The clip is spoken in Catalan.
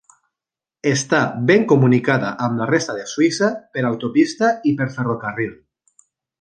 Està ben comunicada amb la resta de Suïssa per autopista i per ferrocarril.